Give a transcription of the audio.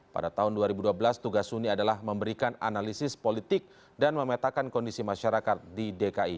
pada tahun dua ribu dua belas tugas suni adalah memberikan analisis politik dan memetakan kondisi masyarakat di dki